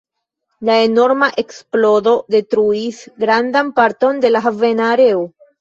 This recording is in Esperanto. La enorma eksplodo detruis grandan parton de la havena areo.